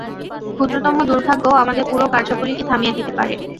ক্ষুদ্রতম দুর্ভাগ্যও আমাদের পুরো কার্যাবলিকে থামিয়ে দিতে পারে।